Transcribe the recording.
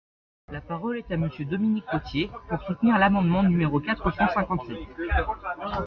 La parole est à Monsieur Dominique Potier, pour soutenir l’amendement numéro quatre cent cinquante-sept.